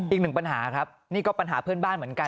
อีกหนึ่งปัญหาครับนี่ก็ปัญหาเพื่อนบ้านเหมือนกัน